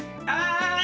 ああ！